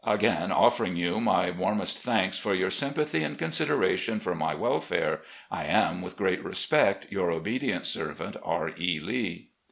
Again offering you my warmest thanks for your sympathy and consideration for my welfare, I am, writh great respect, "Your obedient servant, "R. E. Lee."